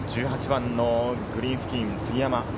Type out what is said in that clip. １８番のグリーン付近、杉山。